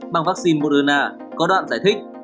bằng vaccine moderna có đoạn giải thích